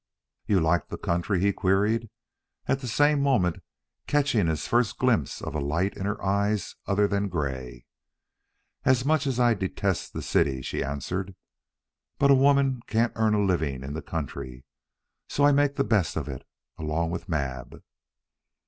"You like the country?" he queried, at the same moment catching his first glimpse of a light in her eyes other than gray. "As much as I detest the city," she answered. "But a woman can't earn a living in the country. So I make the best of it along with Mab."